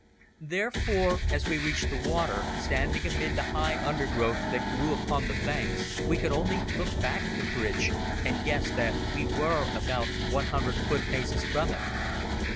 Therefore, as we reached the water, standing amid the high undergrowth that grew upon the banks, we could only look back at the bridge and guess that we were about one hundred foot paces from it.